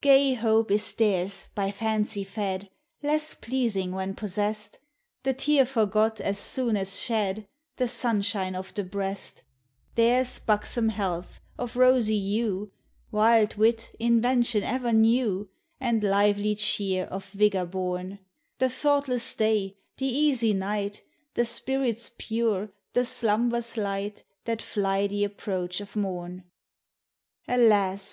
Gay hope is theirs by fancy fed, Less pleasing when possest ; The tear forgot as soon as shed, The sunshine of the breast: POEMS OF HOME. Theirs buxom health, of rosy hue, Wild wit, invention ever new, And lively cheer, of vigor born; The thoughtless day, the easy night, The spirits pure, the slumbers light, That fly the approach of morn. Alas!